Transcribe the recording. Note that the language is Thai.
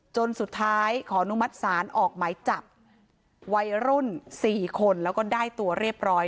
จนสุดท้ายขออนุมัติศาลออกหมายจับวัยรุ่น๔คนแล้วก็ได้ตัวเรียบร้อย